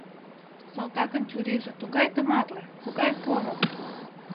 Салтакын чурийже тугай тыматле, тугай поро.